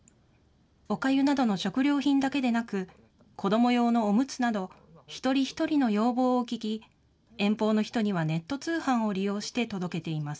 おかゆなどの食料品だけでなく、子ども用のおむつなど、一人一人の要望を聞き、遠方の人にはネット通販を利用して届けています。